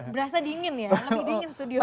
berasa dingin ya lebih dingin studio